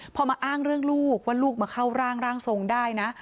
พอมาอ้างเรื่องลูกว่าลูกมาเข้าร่างร่างทรงได้นะ